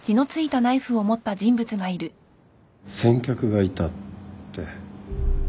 「先客がいた」って。